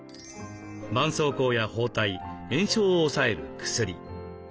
ばんそうこうや包帯炎症を抑える薬。